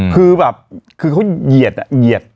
คือเขาเหยียด